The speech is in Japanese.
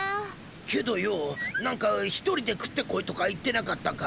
けどよぉ何か一人で食ってこいとか言ってなかったか？